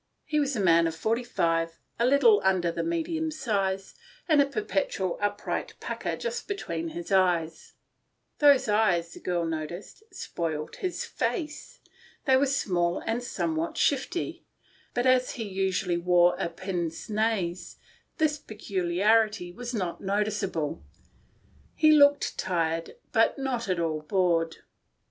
He was a man of forty five, a little under the medium size, with a perpetual upright pucker just between his eyes ; those eyes, the girl noticed, spoilt his face ; they were small and somewhat shifty, but as he usually wore a pince nez, this peculiarity was not noticeable. He looked tired, but not at all bored.